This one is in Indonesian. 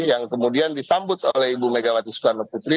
yang kemudian disambut oleh ibu megawati soekarno putri